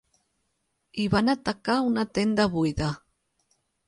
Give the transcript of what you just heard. I van atacar una tenda buida.